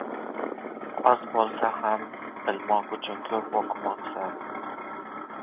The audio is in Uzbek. Oz bo‘lsa ham bilmoq uchun ko‘p o‘qimoq zarur.